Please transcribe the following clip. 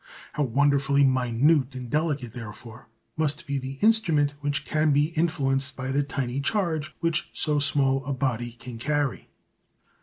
How wonderfully minute and delicate, therefore, must be the instrument which can be influenced by the tiny charge which so small a body can carry.